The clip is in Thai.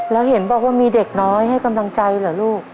แล้วเห็นบอกว่ามีเด็กน้อยให้กำลังใจเหรอลูก